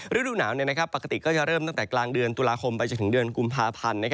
ฤดูหนาวปกติก็จะเริ่มตั้งแต่กลางเดือนตุลาคมไปจนถึงเดือนกุมภาพันธ์